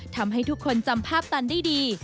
ทำให้ทุกคนจำภาพตันได้ดี